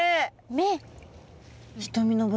目。